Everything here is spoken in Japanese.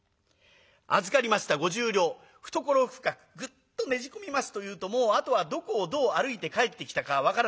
預かりました五十両懐深くぐっとねじ込みますというともうあとはどこをどう歩いて帰ってきたか分からない。